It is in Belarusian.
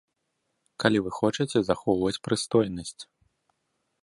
Калі вы хочаце захоўваць прыстойнасць.